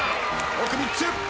奥３つ。